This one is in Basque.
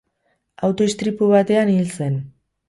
Auto istripu batean hil zen.